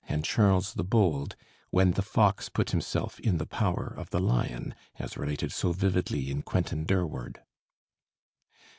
and Charles the Bold, when the fox put himself in the power of the lion, as related so vividly in 'Quentin Durward.'